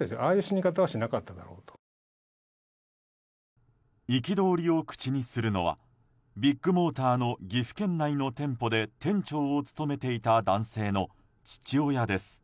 あぁ憤りを口にするのはビッグモーターの岐阜県内の店舗で店長を務めていた男性の父親です。